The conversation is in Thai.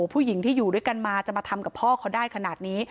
ผู้หญิงที่อยู่ด้วยกันมาจะมาทำกับพ่อเขาได้ขนาดนี้